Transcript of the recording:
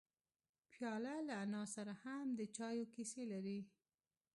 پیاله له انا سره هم د چایو کیسې لري.